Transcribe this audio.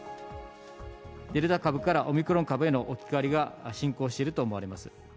デルタ株からオミクロン株への置き換わりが進行していると思われます。